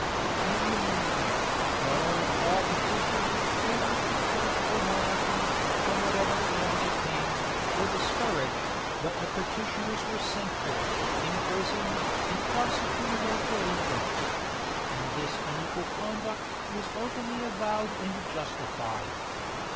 In the mean time, not only all petitions which favored the church or monarchy, from whatever hand they came, were discouraged, but the petitioners were sent for, imprisoned, and prosecuted as delinquents; and this unequal conduct was openly avowed and justified.